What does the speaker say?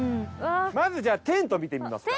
まずじゃあテント見てみますか。